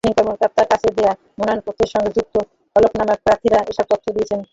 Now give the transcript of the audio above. Returning কর্মকর্তার কাছে দেওয়া মনোনয়নপত্রের সঙ্গে যুক্ত হলফনামায় প্রার্থীরা এসব তথ্য দিয়েছেন।